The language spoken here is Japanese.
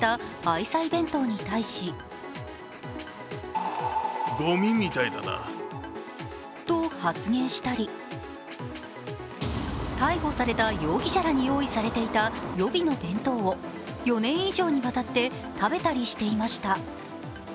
愛妻弁当に対しと発言したり逮捕された容疑者らに用意されていた予備の弁当を４年以上にわたって食べたりしていました。